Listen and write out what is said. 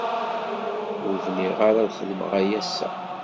Ur bniɣ ara ad xedmeɣ aya ass-a.